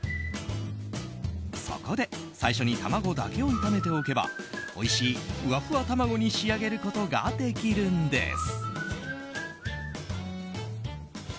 そこで、最初に卵だけを炒めておけばおいしいふわふわ卵に仕上げることができるんです。